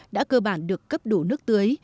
đã cơ bản được cấp đủ nước tươi